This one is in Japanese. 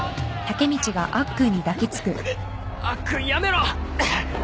アッくんやめろ！